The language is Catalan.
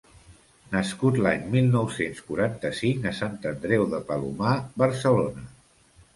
Nascut l'any mil nou-cents quaranta-cinc a Sant Andreu de Palomar, Barcelona.